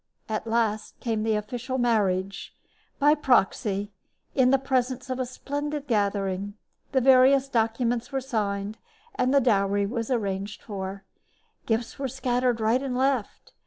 At last came the official marriage, by proxy, in the presence of a splendid gathering. The various documents were signed, the dowry was arranged for. Gifts were scattered right and left.